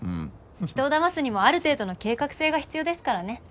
人をだますにもある程度の計画性が必要ですからね。